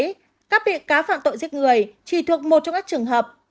chúng ta có thể thấy các bị cá phạm tội giết người chỉ thuộc một trong các trường hợp